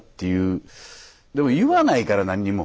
でも言わないから何にも。